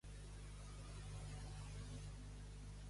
Dos contra un, merda per a cadascun.